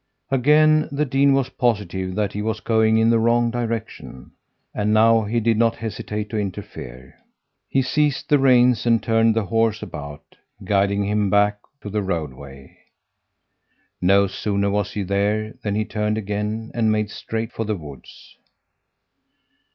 Again the dean was positive that he was going in the wrong direction, and now he did not hesitate to interfere. He seized the reins and turned the horse about, guiding him back to the roadway. No sooner was he there than he turned again and made straight for the woods.